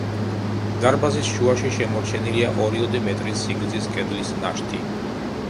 დარბაზის შუაში შემორჩენილია ორიოდე მეტრის სიგრძის კედლის ნაშთი.